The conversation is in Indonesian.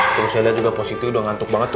terus saya lihat tadi osi ti udah ngantuk banget tuh